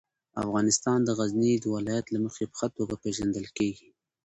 افغانستان د غزني د ولایت له مخې په ښه توګه پېژندل کېږي.